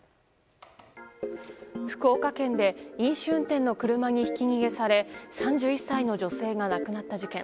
福岡県で飲酒運転の車にひき逃げされ３１歳の女性が亡くなった事件。